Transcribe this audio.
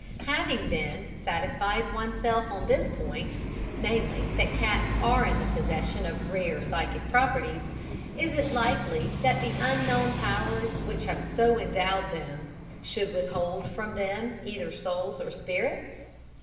Having then satisfied oneself on this point, namely, that cats are in the possession of rare psychic properties, is it likely that the Unknown Powers which have so endowed them, should withhold from them either souls or spirits?